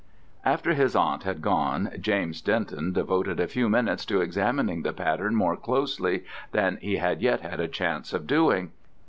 After his aunt had gone James Denton devoted a few minutes to examining the pattern more closely than he had yet had a chance of doing.